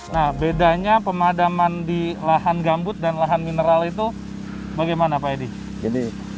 nah bedanya pemadaman di lahan gambut dan lahan mineral itu bagaimana pak edi